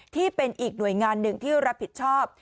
ที่เป็นอีกหน่วยงานหนึ่งที่รับผิดชอบ